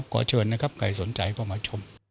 ขอเชิญนะครับใครสนใจก็มาชม